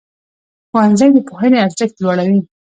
ښوونځی د پوهنې ارزښت لوړوي.